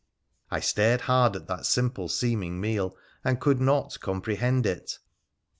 I stared hard at that simple seeming meal, and could not comprehend it.